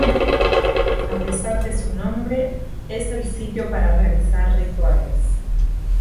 A pesar de su nombre, es el sitio para realizar rituales.